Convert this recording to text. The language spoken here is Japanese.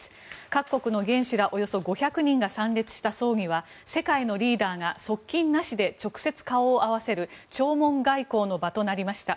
各国の元首らおよそ５００人が参列した葬儀は世界のリーダーが側近なしで直接顔を合わせる弔問外交の場となりました。